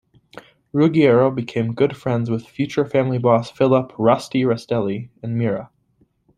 Ruggiero became good friends with future family boss Philip "Rusty" Rastelli and Mirra.